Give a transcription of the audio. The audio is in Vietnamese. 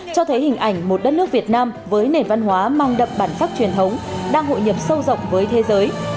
cho thấy hình ảnh một đất nước việt nam với nền văn hóa mang đậm bản sắc truyền thống đang hội nhập sâu rộng với thế giới